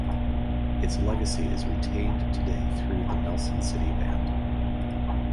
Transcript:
Its legacy is retained today through the Nelson City Band.